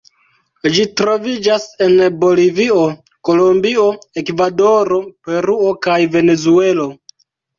Ĝi troviĝas en Bolivio, Kolombio, Ekvadoro, Peruo kaj Venezuelo.